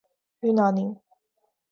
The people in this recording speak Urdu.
یونانی